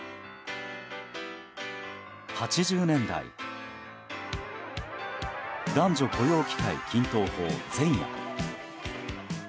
８０年代男女雇用機会均等法前夜。